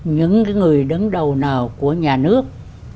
những người đứng đầu nào của nhà nước